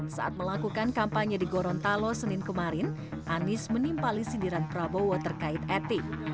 saat melakukan kampanye di gorontalo senin kemarin anies menimpali sindiran prabowo terkait etik